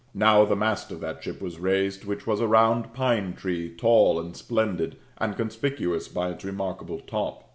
Now the mast of that ship was raised, which was a round pine tree, tall and splendid, and conspicuous by its remarkable top.